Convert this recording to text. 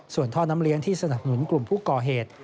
ส่วนท่อน้ำเลี้ยงที่สนับสนุนกลุ่มผู้ก่อเหตุ